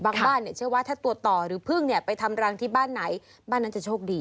บ้านเนี่ยเชื่อว่าถ้าตัวต่อหรือพึ่งเนี่ยไปทำรังที่บ้านไหนบ้านนั้นจะโชคดี